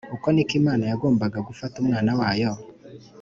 . Uku niko Imana yagombaga gufata umwana wayo?